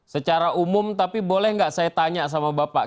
secara umum tapi boleh nggak saya tanya sama bapak